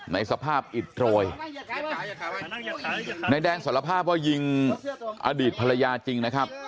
ในสภาพอิดโรยนายแดงสารภาพว่ายิงอดีตภรรยาจริงนะครับ